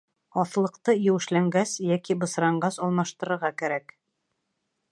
Аҫлыҡты еүешләнгәс йәки бысранғас алмаштырырға кәрәк.